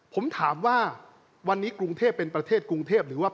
ผมถามว่าวันนี้กรุงเทพเป็นประเทศกรุงเทพหรือว่า